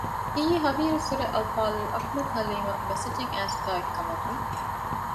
އިއްޔެ ހަވީރުއްސުރެ އަލްފާޟިލް އަޙްމަދު ޙަލީމަށް މެސެޖެއް އައިސްފައި އޮތް ކަމަށް ވެ